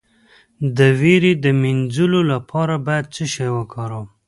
د ویرې د مینځلو لپاره باید څه شی وکاروم؟